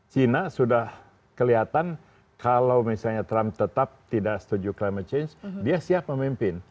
china sudah kelihatan kalau misalnya trump tetap tidak setuju climate change dia siap memimpin